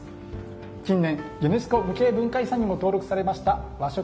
近年、ユネスコ無形文化遺産にも登録されました和食。